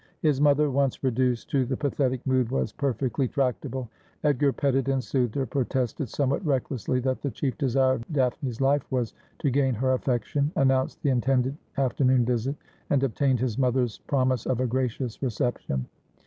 His mother, once reduced to the pathetic mood, was per fectly tractable. Edgar petted and soothed her ; protested somewhat recklessly that the chief desire of Daphne's life was to gain her affection ; announced the intended afternoon visit ; and obtained his mother's promise of a gracious reception.